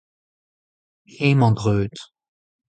hemañ dreut.